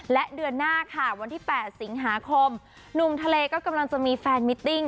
และเดือนหน้าค่ะวันที่๘สิงหาคมหนุ่มทะเลก็กำลังจะมีแฟนมิตติ้ง